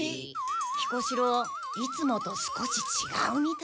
彦四郎いつもと少しちがうみたい。